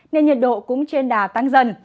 nền nhiệt độ cũng trên đà tăng dần